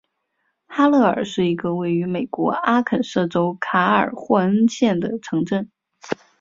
哈勒尔是一个位于美国阿肯色州卡尔霍恩县的城镇。